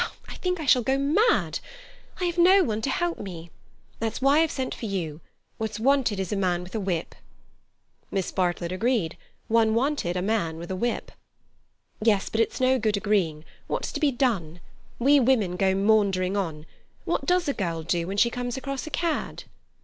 I think I shall go mad. I have no one to help me. That's why I've sent for you. What's wanted is a man with a whip." Miss Bartlett agreed: one wanted a man with a whip. "Yes—but it's no good agreeing. What's to be done? We women go maundering on. What does a girl do when she comes across a cad?"